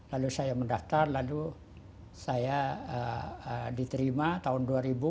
lalu saya mendaftar lalu saya diterima tahun dua ribu